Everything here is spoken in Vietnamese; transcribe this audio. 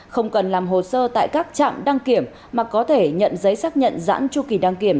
không cần làm hồ sơ tại các trạm đăng kiểm mà có thể nhận giấy xác nhận giãn tru kỳ đăng kiểm